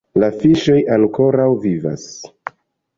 La fiŝoj ankoraŭ vivas